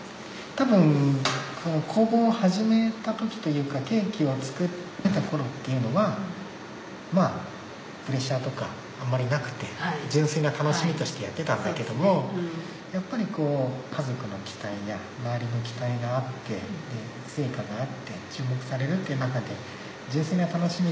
多分工房を始めた時というかケーキを作り始めた頃っていうのはまぁプレッシャーとかあんまりなくて純粋な楽しみとしてやってたんだけどもやっぱり家族の期待や周りの期待があって成果があって注目されるっていう中で。